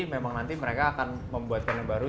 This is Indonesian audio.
memang nanti mereka akan membuatkan yang baru